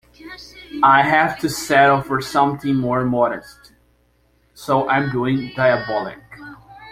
I have to settle for something more modest, so I'm doing "Diabolik".